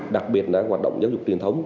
đặc biệt là hoạt động giáo dục truyền thống